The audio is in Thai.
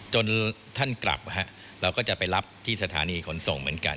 จนท่านกลับเราก็จะไปรับที่สถานีขนส่งเหมือนกัน